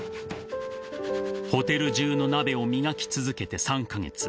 ［ホテル中の鍋を磨き続けて］